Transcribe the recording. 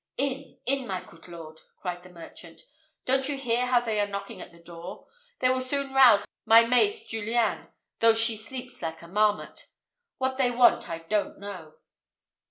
"In, in, my coot lord!" cried the merchant; "don't you hear how they are knocking at the door? They will soon rouse my maid Julian, though she sleeps like a marmot. What they want I don't know."